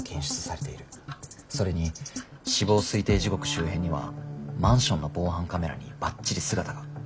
それに死亡推定時刻周辺にはマンションの防犯カメラにばっちり姿が。